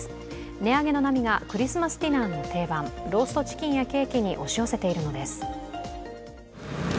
値上げの波がクリスマスディナーの定番、ローストチキンやケーキに押し寄せているのです。